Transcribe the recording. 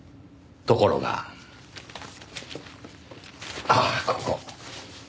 ところがああここ。